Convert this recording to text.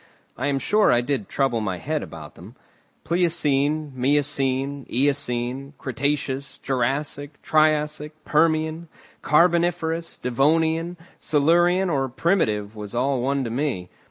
I am sure I did trouble my head about them. Pliocene, miocene, eocene, cretaceous, jurassic, triassic, permian, carboniferous, devonian, silurian, or primitive was all one to me.